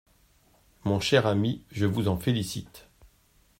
Mon cher ami, je vous en félicite…